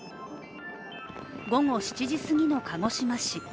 午後７時すぎの鹿児島市。